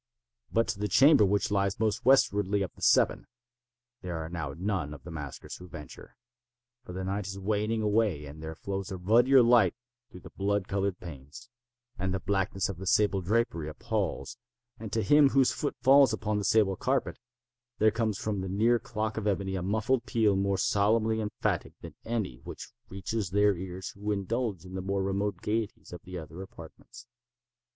But to the chamber which lies most westwardly of the seven, there are now none of the maskers who venture; for the night is waning away; and there flows a ruddier light through the blood colored panes; and the blackness of the sable drapery appals; and to him whose foot falls upon the sable carpet, there comes from the near clock of ebony a muffled peal more solemnly emphatic than any which reaches their ears who indulge in the more remote gaieties of the other apartments.